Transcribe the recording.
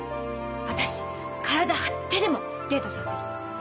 私体張ってでもデートさせる。